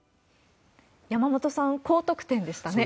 山本さん、高得点でしたね。